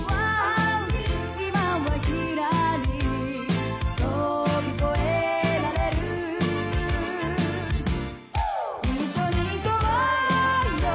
「今はひらり」「飛び越えられる」「一緒に行こうよ」